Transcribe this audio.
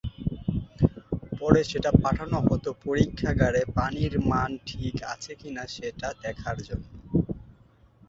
পরে সেটা পাঠানো হতো পরীক্ষাগারে পানির মান ঠিক আছে কিনা সেটা দেখার জন্য।